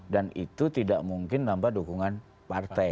dan itu tidak mungkin tanpa dukungan partai